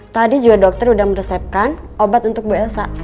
tadi juga dokter udah meresepkan obat untuk bu elsa